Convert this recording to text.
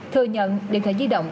thừa nhận điện thoại di động